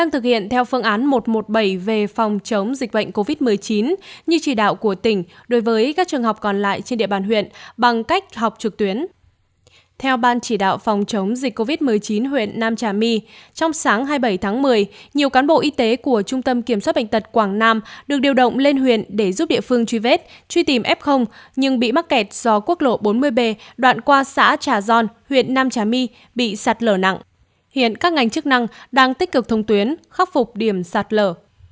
theo ban chỉ đạo phòng chống dịch covid một mươi chín huyện nam trà my trong sáng hai mươi bảy tháng một mươi nhiều cán bộ y tế của trung tâm kiểm soát bệnh tật quảng nam được điều động lên huyện để giúp địa phương truy vết truy tìm f nhưng bị mắc kẹt do quốc lộ bốn mươi b đoạn qua xã trà gion huyện nam trà my bị sạt lở nặng hiện các ngành chức năng đang tích cực thông tuyến khắc phục điểm sạt lở